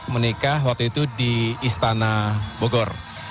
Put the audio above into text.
menikah waktu itu di istana bogor